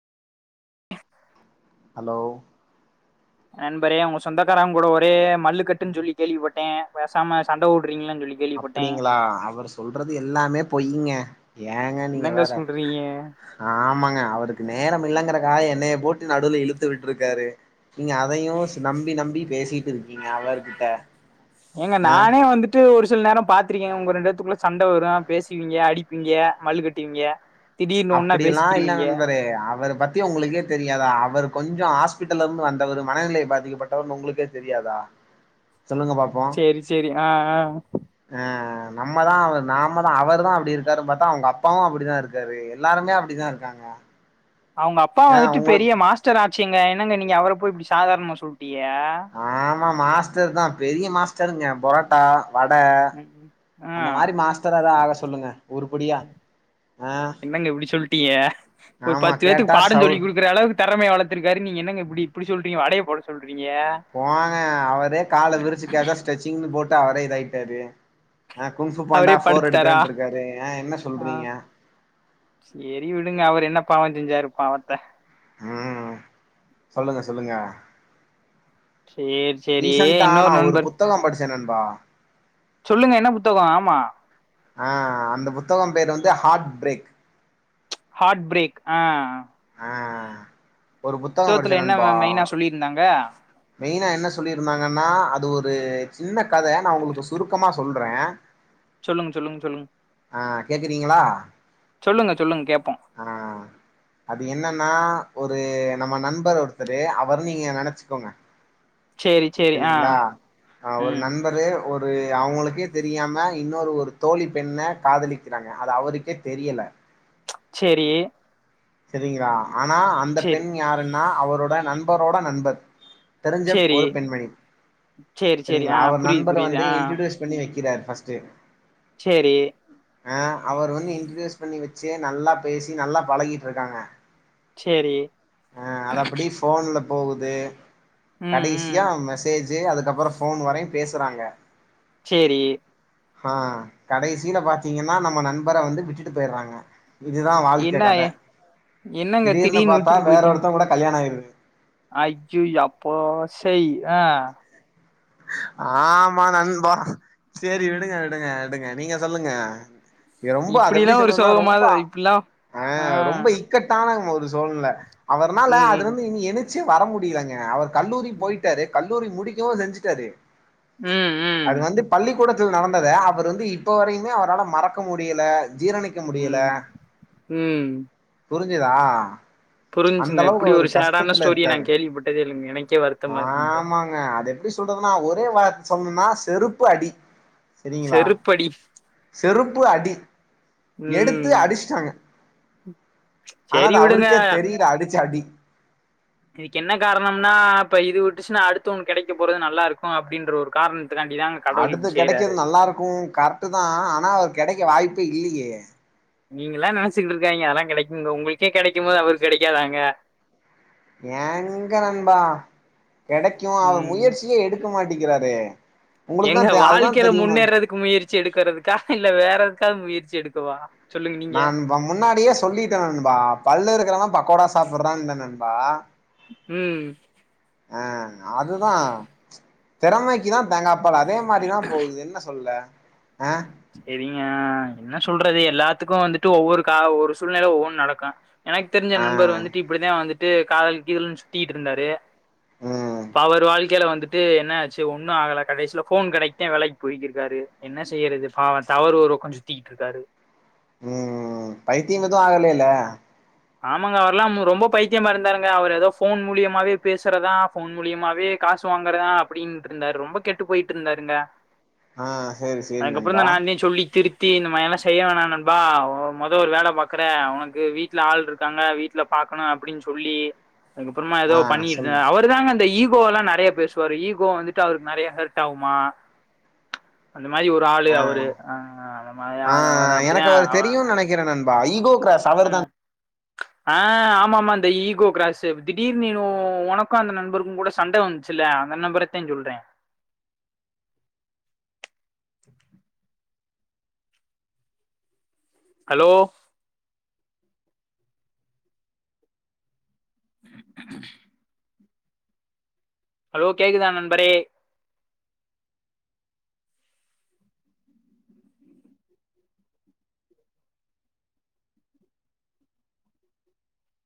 Hello நண்பரே உங்க சொந்தக்காரவுங்களு ஒரே மல்லுக்கட்டுன்னு சொல்லி கேள்விப்பட்டே பேசாம சண்ட போ அப்பிடிங்களா அவர் சொல்றது எல்லாமே பொய்யிங்க. ஏங்க நீங்க என்னங்க வேற சொல்றீங்க ஆமாங்க அவருக்கு நேரம் இல்லங்கற க்காக என்னைய போட்டு நடுவுல இழுத்து விட்ருக்காரு நீங்க அதையு ஸ் நம்பி நம்பி பேசி ட்டுருக்கீங்க அவருகிட்ட ஏங்க நானே வந்துட்டு ஒரு சில நேரோ பாத்திருக்கே உங்க ரெண்டு பேர்த்துக்குள்ள சண்ட வரு பேசவீங்க அடிப்பீங்க மல்லு கட்டுவீங்க திடீர்னு ஒன்னா அப்பிடி எல்லா இல்ல பேசிக்கிருவீங்க நண்பரே அவர பத்தி உங்களுக்கே தெரியாதா அவரு கொஞ்சொ ஹாஸ்பிட்டல்ல இருந்து வந்தவரு மனநிலை பாதிக்கப்பட்டவர்னு உங்களுக்கே தெரியாதா சொல்லுங்க பாப்போ செரி செரி ஆ ஆ ஆ நம்மதா அவர் நாமதா அவருதா அப்டி இருக்காருன்னு பாத்தா அவங்க அப்பாவு அப்பிடிதா இருக்காரு எ ல்லாருமே அப்டிதா இருக்காங்க அவங்க அப்பா ஆ வந்துட்டு உங்களுக்கு பெரிய மாஸ்டர் ஆ ங்க என்னங்க நீங்க அவரை போய்ப் இப்படி சாதாரணமா சொல் ஆமா மாஸ்டர் தான் பெரிய மாஸ்டர் சரிங்க பரோட்டா தான் வடை ம் ஆ அந்த மாதிரி மாஸ்தராதான் ஆளு சொல்லுங்க அப்படியா என்னங்க எப்படி சொல்லிட்டீங்க ஒரு ஆமா பத்து பேரத்துக்கு கேட்டா பாடம் சவுல் சொல்லி கொடுக்குற அளவுக்கு வள்த்திருக்காரு நீ என்னங்க இப்ப இப்படி சொல்றீங்க அடையசொல் போங்க அவரே கால விரிச்சுக்க ஏதோ ஸ்டெச்சிங்ன்னு போட்டு அவரே இதாயிட்டாரு ஆஹ் அவரே குன்புபாண்டா போர் படுத்துட்டாரா எடுக்கறன் இருக்காரு ஆஹ் என்ன ஆ சொல்றீங்க சேரி விடுங்க அவர் என்ன பாவம் செஞ்சாரு பாவத்த உஹம் சொல்லுங்க சொல்லுங்க செரி செரி இன்னொரு நண்பர் என்ன நண்பா சொல்லுங்க என்ன புத்தகம் ஆமா ஆஹ் அந்த புத்தகம் பேரு வந்து ஹார்ட் பிரேக் ஹார்ட் பிரரேக் ஆஹ் ஆஹ் புத்தகத்துல என்ன மெயினா சொல்லியிருந்தாங்க மெயினா என்ன சொல்லிருந்தாங்கன்னா அது ஒரு சின்ன கதை நான் உங்களுக்கு சுருக்கமா சொல் ரேன் சொல்லுங்க சொல்லுங்க சொல்லுங்க ஆஹ் கேக்குறீங்களா சொல்லுங்க சொல்லுங்க கேப்போ ஆஹ் அது என்னன்னா ஒரு நம்ம நண்பர் ஒருத்தரு அவரு நீங்க நினைச்சுக்கோங்க சேரி சேரி ஆ சரிங்களா ஆஹ் ஒரு ம் நண்பரு ஒரு அவங்களுக்கே தெரியாம இன்னொரு ஒரு தோழி பெண்ண காதலிக்கிறாங்க அது அவருக்கே தெரியல ம் செரி செரிங்களா ஆனா அந்த பெண் யாருன் நா அவரோட நண்பரோட நண்பர் தெரிஞ்சப் சேரி ஒரு பெண்மணி சேரி சேரி ஆ சரிங்களா அவர் புரியுது நண்பர் புரியுது வந்து ஆ இன்ட்ரடியூஸ் பண்ணி வைக் இதான் பர்ஸ்ட்டு சேரி ஆ அவர் வந்து இன்டிடுயூஸ் பண்ணி வச்சு நல்லா பேசி நல்லா பழகிட் டுருக்காங்க சேரி ஆ அத அப்டி போன்ல போகுது ம் ம் கடைசியா மெசேஜ் தே அதுக்கப்ற போன் வரையும் பேசுறாங்க சேரி ஆ கடைசில பாத்தீங்கன்னா நம்ம நண்பர வந்து விட்டுட்டு பேயிராங்க இதுதா என்ன வாழ்க்க கத திடீர்னு பாத்தா வேற ஒருத்தங் கூட கல் [unintelligible] ஐயுய் அப்பா செய் ஆ ஆமா நண்பா செரி விடுங்க விடுங்க விடுங்க நீங்க சொல்லுங்க நீங்க ரொம்ப அத இப்டிலா எப்டி ஒரு சொல்ணுன்னா சோகமா ரொம்ப இப்டிலா ஆ ரொம்ப இக்கட்டான ஒரு சோழ் நில அவர்னால ம் அதுலந்து இனி எந்திச்சி வர முடியலங்க அவர் கல்லூரி ம் போயிட்டாரு கல் லூரி முடிக்கவும் செஞ்சட்டாரு ம் ம் கூடத்துல நடந்தத அவர் வந்து இப்ப வரையுமே அவரால மறக்க முடியல ஜீரணிக்க முடியல ம் ம் புரிஞ் சுதா புரிஞ்சுங்க இப்டி ஒரு சேடான ஸ்டோரிய நா இருக்காரு கேள்விப்பட்டதே இல்லங்க எனக்கே வருத்தமா இருக்குங்க மா சொண்ணுனா செருப்பு அடி சரிங்களா செருப்படி செருப்பு அடி எடுத்து ம் அடிச்சிட்டாங்க ஆனா செரி அது விடுங்க அவருக்கே தெரிய அடிச்ச அடி [inaudible] இதுக்கு என்ன காரணம்னா இப்ப இது விட்டுச்சுன்னா அடுத்த ஒன்னு கெடைக்க போறது நல்லாருக்கும் அப்டின்ற ஒரு காரணம் அடுத்து கெடைக்கறது நல்லாருக்கும் கரெட்டு தான் ஆனா அவர் கெடைக்க வாய்ப் இப்ப இல்லியே நீங்கல்லா நெனைச்சுக்கிட்ருக்காதீங்க அதெல்லா கெடைக்குன்னு உங்களுக்கே கெடைக்கும் போது அவருக்கு கெடைக்காதாங்க எங்க நண்பா கெடைக்கு அவர் ம் முயற்சியே எடு க்க மாட்டிங்கிறாரே ஏங்க வாழ்க்கையில முன்னேறதுக்கு முயற்சி எடுக்கறதுக்கா இல்ல வேற எதுக்காவது முயற் சி எடுக்கவா சொல்லுங்க நீங்க நண்பா முன்னாடியே சொல்லிட்டே நண்பா பல்லு இருக்கிறவ பக்கோடா சாப்படுறான்னே நண்பா ம் ஆ அதுதா திறமைக்குதா தேங்கா அப்பால அதே மாரிதா போகுது என்ன சொல்ல ஆ செரிங்க என்ன சொல்றது எல்லாத்துக்கு வந்துட்டு ஒவ்வொரு கா ஒவ்வொரு சூழ்நில ஒவ்வொன்னு நடக்கு எனக்கு தெரிஞ்ச ஆ நண்பர் வந்துட்டு இப்பிடிதா வந்து ட்டு காதல் கீதல்னு சுத்திட்டு இருந்தாரு ம் இப்ப அவரு வாழ்க்கையில வந் துட்டு என்னாச்சு ஒண்ணு ஆகல கடைசில ஃபோன் கடைக்குத்தே வேலைக்கு போய்க்கிருக்காரு என்ன செய்யறது பாவோ டவரு ஒரு பக்கோ சுத்திக்கிட்ருக்காரு ம் பைத்தியம் எது ஆகல இல்ல ஆமாங்க அவர்ல்லா மு ரொம்ப பைத்தியமா இருந்தாருங்க அவர் ஏதோ ஃபோன் மூலியமாவே பேசுறதா ஃபோன் மூலியாவே காசு வாங்குறதா அப்பிடின்ட்டு இருந்தாரு ரொம்ப கெட்டுப் போயிட்ருந்தாருங்க ஆ சேரி சேரி நண்பா அதுக்கப்புறந்தா நான்தே சொல்லி திரு த்தி இந்த மாரி எல்லா செய்ய வேணா நண்பா உ மொதோ ஒரு வேல பாக்கறே உனக்கு வீ ட்ல ஆள் இருக்காங்க வீட்ல பாக்கணு அப்பிடின் சொல்லி அதுக்கப்புறமா ஆ ஏதோ சொல்லு பண்ணிருக்காரு அவருதாங்க அந்த ஈ கோ எல்லா நெறைய பேசுவாரு ஈகோ வந்துட்டு அவருக்கு நெறைய ஹெர்ட் ஆகுமா அந்த மாரி ஒரு ஆளு ஆ அவரு ஆ அந்த மாரி ஆளு அவரு அப்டிதா அவ பா ஈ கோ கிராஸ் அவருதா ஆமா ஆ ஆமா ஆமா இந்த ஈகோ கிராஸு திடீர்னு எதோ உனக்கு அந்த நண்பருக்குங் கூட சண்ட வந்துச்சுல்ல அந்த நண்பரத்தே சொல்றே ஹலோ [inaudible] ஹலோ கேக்குதா நண்பரே